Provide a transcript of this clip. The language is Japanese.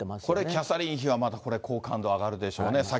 これ、キャサリン妃はまたこれ、好感度上がるでしょうね。